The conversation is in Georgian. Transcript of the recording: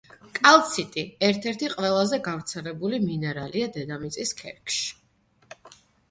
კალციტი ერთ-ერთი ყველაზე გავრცელებული მინერალია დედამიწის ქერქში.